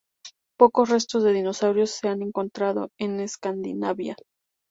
Pocos restos de dinosaurios se han encontrado en Escandinavia.